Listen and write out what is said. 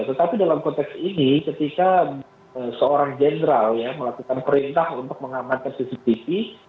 tetapi dalam konteks ini ketika seorang jenderal ya melakukan perintah untuk mengamankan cctv